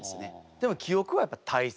でも記憶はやっぱ大切？